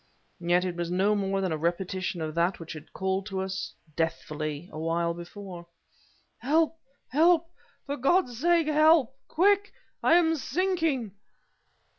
Yet it was no more than a repetition of that which had called to us, deathfully, awhile before. "Help! help! for God's sake help! Quick! I am sinking..."